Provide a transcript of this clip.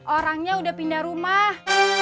orangnya udah pindah rumah